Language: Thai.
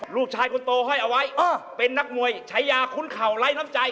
ลูกชายคนโตห้อยเอาไว้เป็นนักมวยใช้ยาคุ้นเข่าไร้น้ำใจ